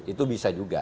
itu bisa juga